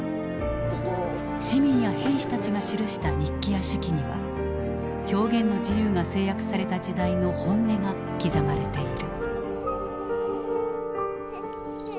市民や兵士たちが記した日記や手記には表現の自由が制約された時代の本音が刻まれている。